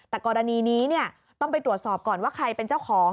แต่กรณีนี้ต้องไปตรวจสอบก่อนว่าใครเป็นเจ้าของ